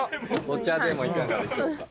お茶でもいかがでしょうか？